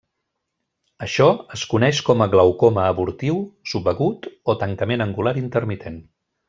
Això es coneix com a glaucoma abortiu, subagut o tancament angular intermitent.